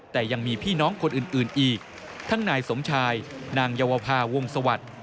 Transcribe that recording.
แต่ยังมีพี่น้องคนอื่นอีกทั้งนายสมชายนางเยาวภาวงศวรรค์